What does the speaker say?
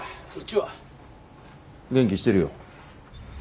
元気してるよ。